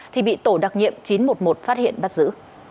thì bị tổ đặc nhiệm chín trăm một mươi một phát hiện bắt giữ